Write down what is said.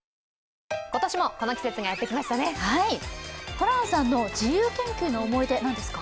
ホランさんの自由研究の思い出、何ですか？